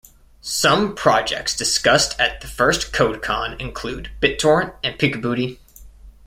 Some projects discussed at the first CodeCon include BitTorrent and Peek-a-Booty.